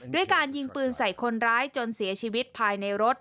ด้วยการยิงปืนใส่คนร้ายจนเสียชีวิตภายในรถ